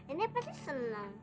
ini pasti senang